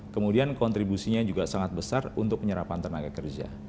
kemudian kontribusinya juga sangat besar untuk penyerapan tenaga kerja